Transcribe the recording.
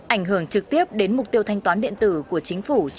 ảnh hưởng trực tiếp đến mục tiêu thanh toán điện tử của chính phủ trong tương lai